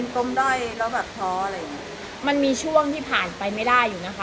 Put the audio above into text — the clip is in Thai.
ก็มีช่วงที่ผ่านไปไม่ได้อยู่นึง